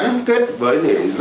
hình thành được những vùng